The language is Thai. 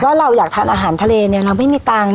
เราอยากทานอาหารทะเลเนี่ยเราไม่มีตังค์